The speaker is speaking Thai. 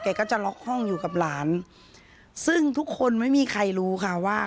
ก็จะล็อกห้องอยู่กับหลานซึ่งทุกคนไม่มีใครรู้ค่ะว่า